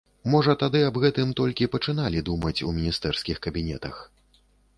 Можа тады аб гэтым толькі пачыналі думаць у міністэрскіх кабінетах.